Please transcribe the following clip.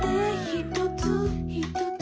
「ひとつひとつ」